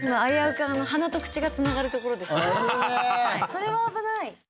それは危ない。